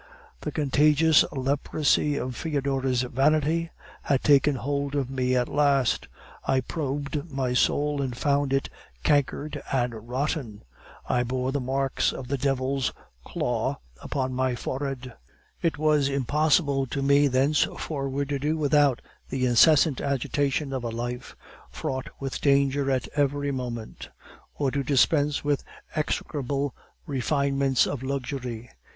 "The contagious leprosy of Foedora's vanity had taken hold of me at last. I probed my soul, and found it cankered and rotten. I bore the marks of the devil's claw upon my forehead. It was impossible to me thenceforward to do without the incessant agitation of a life fraught with danger at every moment, or to dispense with the execrable refinements of luxury.